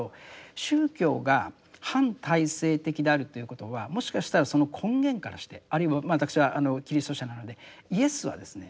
宗教が反体制的であるということはもしかしたらその根源からしてあるいは私はキリスト者なのでイエスはですね